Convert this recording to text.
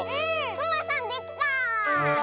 くまさんできた！